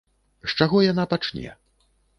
З чаго яна пачне?